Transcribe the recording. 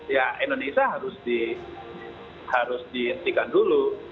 ya indonesia harus dihentikan dulu